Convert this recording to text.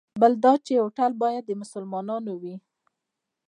بل دا چې هوټل باید د مسلمانانو وي.